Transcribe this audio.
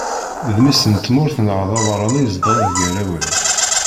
D mmi-s n tmurt neɣ d abeṛṛani izedɣen gar-awen.